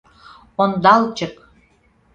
— Ондалчык!